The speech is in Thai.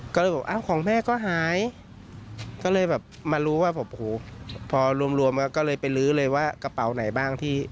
ก็เลยบอกของแม่ก็หายก็เลยแบบมารู้ว่าพอรวมก็เลยไปลื้อเลยว่ากระเป๋าไหนบ้าง